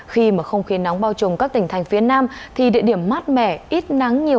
khi mà không khí nóng bao trùm các tỉnh thành phía nam thì địa điểm mát mẻ ít nắng nhiều